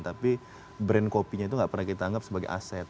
tapi brand kopinya itu nggak pernah kita anggap sebagai aset